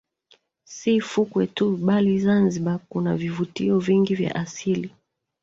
Si fukwe tu bali Zanzibar kuna vivutio vingi vya asili